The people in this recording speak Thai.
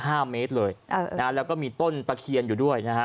ห้าเมตรเลยเออนะฮะแล้วก็มีต้นตะเคียนอยู่ด้วยนะฮะ